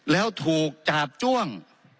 แล้วถูกจาบจ้วง